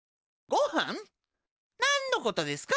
なんのことですか？